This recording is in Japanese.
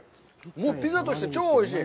もうピザとして、超おいしい。